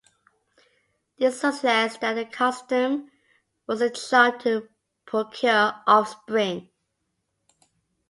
This suggests that the custom was a charm to procure offspring.